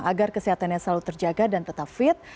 agar kesehatannya selalu terjaga dan tetap fit